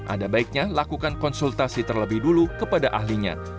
ada baiknya lakukan konsultasi terlebih dulu kepada ahlinya